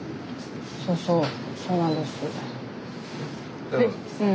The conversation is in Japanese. そうそうそうなんです。